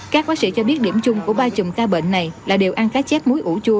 các bác sĩ cho biết điểm chung của ba chùm ca bệnh này là đều ăn cá chép muối ủ chua